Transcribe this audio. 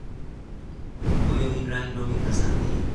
آیا این رنگ را میپسندی؟